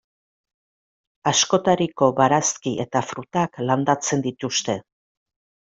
Askotariko barazki eta frutak landatzen dituzte.